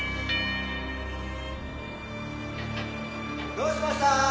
どうしました？